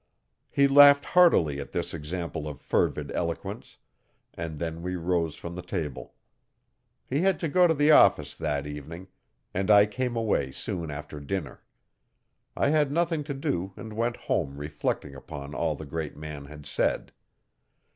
He laughed heartily at this example of fervid eloquence, and then we rose from the table. He had to go to the office that evening, and I came away soon after dinner. I had nothing to do and went home reflecting upon all the great man had said.